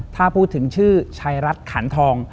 ถ้าพูดถึงชื่อชายรัฐขันทอง